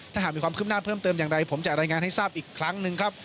ถ้าหากมีความคืบหน้าเพิ่มเติมอย่างไรผมจะรายงานให้ทราบอีกครั้งหนึ่งครับ